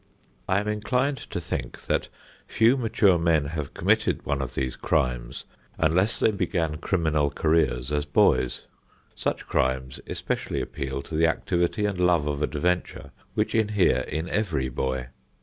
I am inclined to think that few mature men have committed one of these crimes, unless they began criminal careers as boys. Such crimes especially appeal to the activity and love of adventure which inhere in every boy.